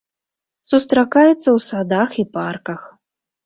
Сустракаецца ў садах і парках.